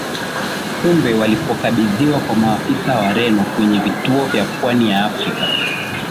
Kumbe walipokabidhiwa kwa maafisa Wareno kwenye vituo vya pwani ya Afrika